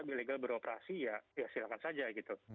kalau legal beroperasi ya silakan saja gitu